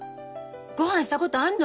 ごはんしたことあんの！？